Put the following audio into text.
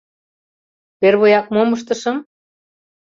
Первояк мом ыштышым?